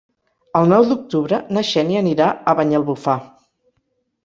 El nou d'octubre na Xènia anirà a Banyalbufar.